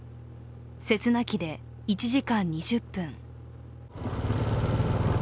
セスナ機で１時間２０分。